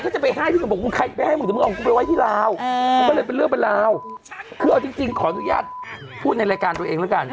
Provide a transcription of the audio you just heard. จริงขออนุญาตพูดในรายการตัวเองแล้วกัน